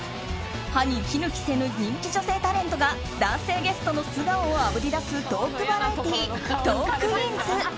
歯に衣着せぬ人気女性タレントが男性ゲストの素顔をあぶり出すトークバラエティー「トークィーンズ」。